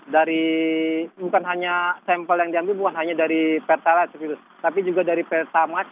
dari bukan hanya sampel yang diambil bukan hanya dari pertalite tapi juga dari pertamax